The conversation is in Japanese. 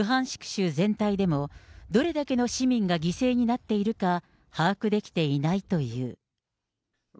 州全体でも、どれだけの市民が犠牲になっているか、把握できていないという。